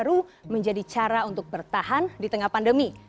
dan baru menjadi cara untuk bertahan di tengah pandemi